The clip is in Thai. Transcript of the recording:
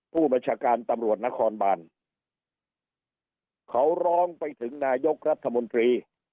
ผู้บัญชาการตำรวจนครบานเขาร้องไปถึงนายกรัฐมนตรี